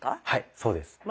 はいそうです。